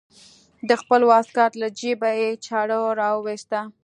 د خپل واسکټ له جيبه يې چاړه راوايسته.